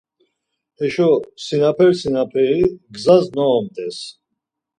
Heşo sinaperi sinaperi gzas noumt̆es.